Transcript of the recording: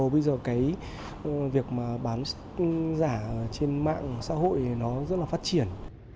bây giờ cái việc mà bán giả trên mạng xã hội nó rất là phát triển